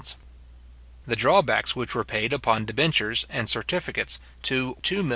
The drawbacks which were paid upon debentures and certificates, to £2,156,800.